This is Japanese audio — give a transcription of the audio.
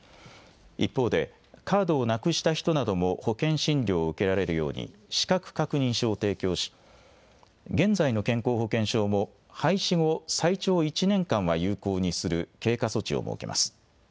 一方で、カードをなくした人なども保険診療を受けられるように、資格確認書を提供し、現在の健康保険証も廃止後最長１年間は有効にする経過措置を設けます。